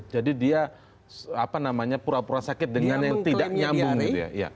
dia apa namanya pura pura sakit dengan yang tidak nyambung gitu ya